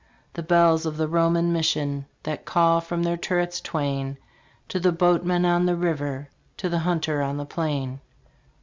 The bells of the Roman mission That call from their turrets twain To the boatman on the river, To the hunter on the plain.